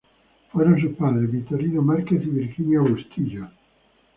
Fueron sus padres Victorino Márquez y Virginia Bustillos.